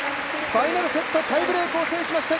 ファイナルセット、タイブレークを制しました。